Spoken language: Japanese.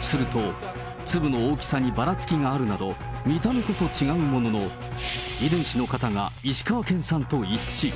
すると、粒の大きさにばらつきがあるなど、見た目こそ違うものの、遺伝子の型が石川県産と一致。